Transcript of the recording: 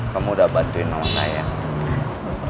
kamu udah bantuin mama saya ya